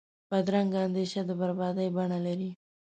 بدرنګه اندیشه د بربادۍ بڼه لري